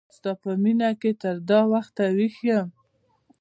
ستا په مینه کی تر دا وخت ویښ یم